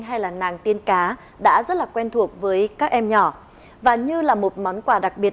hay là nàng tiên cá đã rất là quen thuộc với các em nhỏ và như là một món quà đặc biệt